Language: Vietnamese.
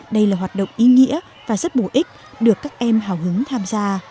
đây là hoạt động ý nghĩa và rất bổ ích được các em hào hứng tham gia